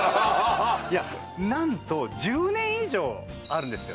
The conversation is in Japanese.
いや何と１０年以上あるんですよ